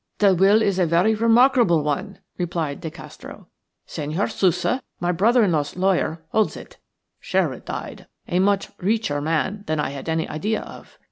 "The will is a very remarkable one," replied De Castro. "Senhor Sousa, my brother in law's lawyer, holds it. Sherwood died a much richer man than I had any idea of.